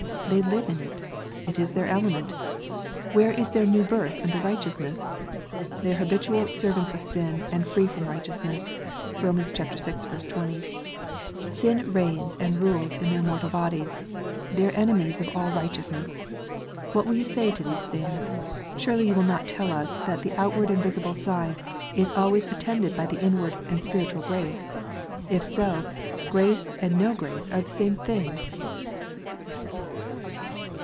They live in it. It is their element. Where is their new birth unto righteousness? They are habitual "servants of sin, and free from righteousness." (Rom. vi. 20.) Sin reigns and rules in their mortal bodies. They are enemies of all righteousness. What will you say to these things ? Surely you will not tell us that the outward and visible sign is always attended by the inward and spiritual grace. If so, grace and no grace are the same thing